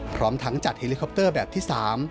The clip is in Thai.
พร้อมทั้งจัดเฮลิคอปเตอร์แบบที่๓